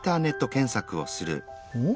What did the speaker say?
おっ？